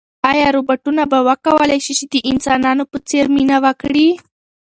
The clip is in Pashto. ایا روبوټونه به وکولای شي چې د انسانانو په څېر مینه وکړي؟